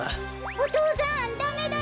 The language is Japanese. お父さんダメだよ。